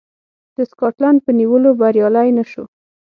د سکاټلنډ په نیولو بریالی نه شو.